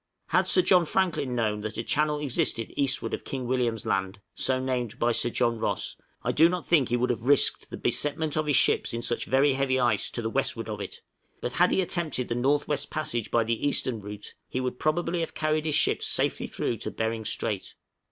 Had Sir John Franklin known that a channel existed eastward of King William's Land (so named by Sir John Ross), I do not think he would have risked the besetment of his ships in such very heavy ice to the westward of it; but had he attempted the north west passage by the eastern route, he would probably have carried his ships safely through to Behring Strait.